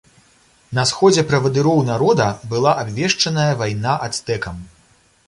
На сходзе правадыроў народа была абвешчаная вайна ацтэкам.